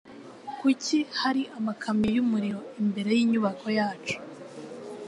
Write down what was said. Kuki hari amakamyo yumuriro imbere yinyubako yacu?